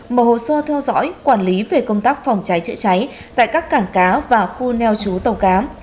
mở hồ sơ theo dõi quản lý về công tác phòng cháy chữa cháy tại các cảng cá và khu neo chú tàu cá